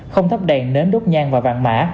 không thắp đèn nến đốt nhang và vàng mã